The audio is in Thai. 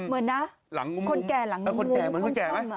เหมือนนะคนแก่หลังงุมคนกล้ม